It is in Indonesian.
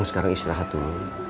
kamu sekarang istirahat dulu